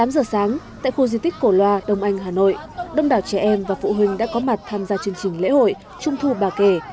tám giờ sáng tại khu di tích cổ loa đông anh hà nội đông đảo trẻ em và phụ huynh đã có mặt tham gia chương trình lễ hội trung thu bà kể